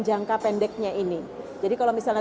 jangka pendeknya ini jadi kalau misalnya